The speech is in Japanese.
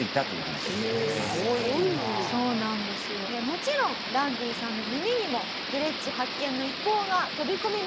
もちろんランディさんの耳にもグレッチ発見の一報が飛び込みました。